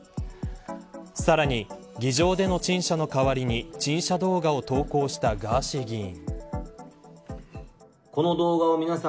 さらに、議場での陳謝の代わりに陳謝動画を投稿したガーシー議員。